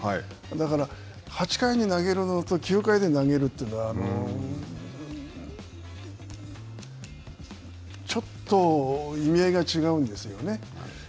だから８回に投げるのと９回で投げるというのは、ちょっと意味合いが違うんですよね。